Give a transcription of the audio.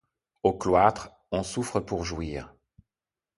Au cloître, on souffre pour jouir.